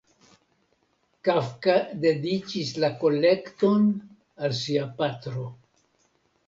Kafka dediĉis la kolekton al sia patro.